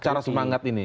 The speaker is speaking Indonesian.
secara semangat ini